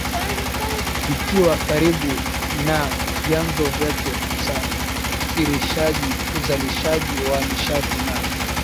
vikiwa karibu na vyanzo vyake usafirishaji uzalishaji wa nishati na